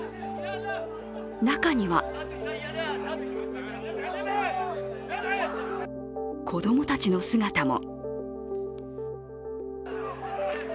中には子供たちの姿も。